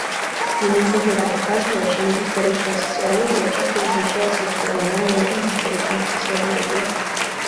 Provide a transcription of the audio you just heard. Менавіта гэта паказвае, чаму гістарычная сацыялогія часта вызначаецца як параўнальная і гістарычная сацыялогія.